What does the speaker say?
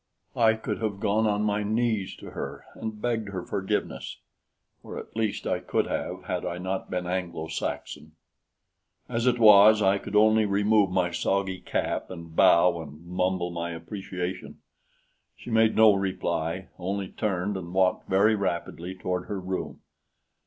I could have gone on my knees to her and begged her forgiveness or at least I could have, had I not been Anglo Saxon. As it was, I could only remove my soggy cap and bow and mumble my appreciation. She made no reply only turned and walked very rapidly toward her room.